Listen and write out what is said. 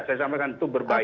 saya sampaikan itu berbahaya